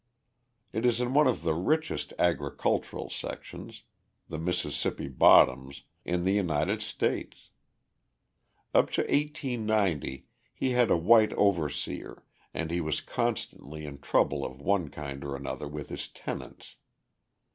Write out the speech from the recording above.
It is in one of the richest agricultural sections the Mississippi bottoms in the United States. Up to 1890 he had a white overseer and he was constantly in trouble of one kind or another with his tenants.